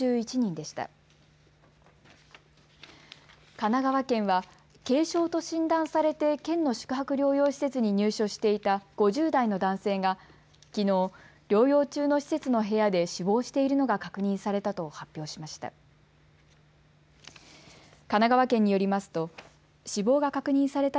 神奈川県は軽症と診断されて県の宿泊療養施設に入所していた５０代の男性がきのう療養中の施設の部屋で死亡しているのが確認されたと発表しました。